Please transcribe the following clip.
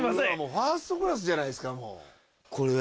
ファーストクラスじゃないですかもう。